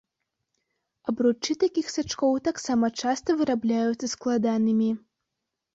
Абручы такіх сачкоў таксама часта вырабляюцца складанымі.